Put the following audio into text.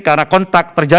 karena kontak terjadi